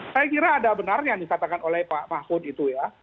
saya kira ada benarnya yang dikatakan oleh pak mahfud itu ya